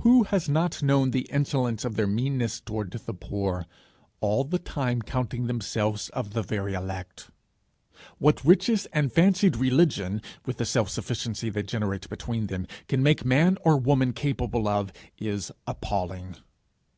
Who has not known the insolence of their meanness toward the poor, all the time counting themselves of the very elect! What riches and fancied religion, with the self sufficiency they generate between them, can make man or woman capable of, is appalling.